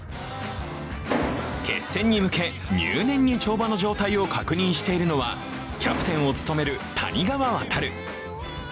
決戦に向け入念に跳馬の状態を確認しているのはキャプテンを務める谷川航。